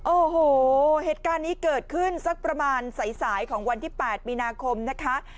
โอ้โหเหตุการณ์นี้เกิดขึ้นสักประมาณสายของวันที่๘มีนาคมนะคะ